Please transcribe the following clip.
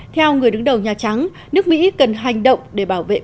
theo người đứng đầu nhà trắng nước mỹ cần hành động để bảo vệ quốc tế